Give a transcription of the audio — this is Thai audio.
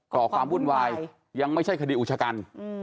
่อความวุ่นวายยังไม่ใช่คดีอุชกัน